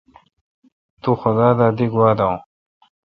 تو خدا دا دی گوا داوین۔